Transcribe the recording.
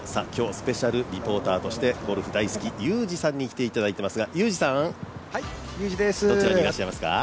スペシャルリポーターとして、ゴルフ大好き、ユージさんに来ていただいていますが、どちらにいらっしゃいますか。